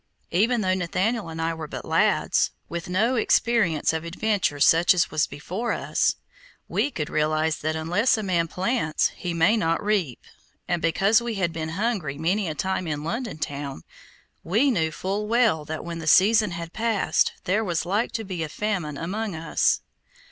Even though Nathaniel and I were but lads, with no experience of adventure such as was before us, we could realize that unless a man plants he may not reap, and because we had been hungry many a time in London town, we knew full well that when the season had passed there was like to be a famine among us.